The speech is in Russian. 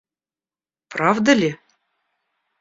Правда ли?